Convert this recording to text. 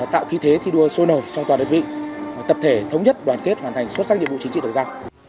tạo khí thế thi đua sôi nổi trong toàn đơn vị tập thể thống nhất đoàn kết hoàn thành xuất sắc nhiệm vụ chính trị được giao